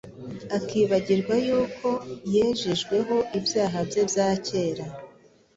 akibagirwa yuko yejejweho ibyaha bye bya kera